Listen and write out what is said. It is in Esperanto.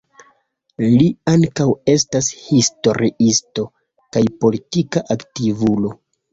Li ankaŭ estas historiisto kaj politika aktivulo.